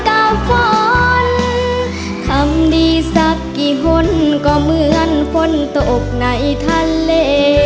กับฝนทำดีสักกี่คนก็เหมือนฝนตกในทะเล